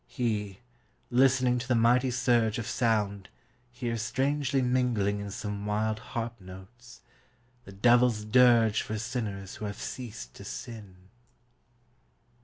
He, listening to the mighty surge Of sound, hears strangely mingling in Some wild harp notes : The devil's dirge For sinners who have ceased to sin.